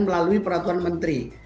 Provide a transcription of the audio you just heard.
melalui peraturan menteri